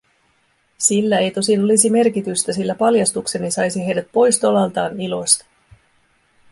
Sillä ei tosin olisi merkitystä, sillä paljastukseni saisi heidät pois tolaltaan ilosta.